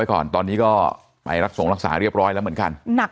ก่อนตอนนี้ก็ไปรับส่งรักษาเรียบร้อยแล้วเหมือนกันหนัก